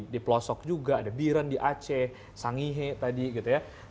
di pelosok juga ada biren di aceh sangihe tadi gitu ya